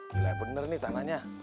gila bener nih tanahnya